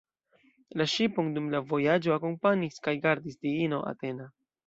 La ŝipon dum la vojaĝo akompanis kaj gardis diino Atena.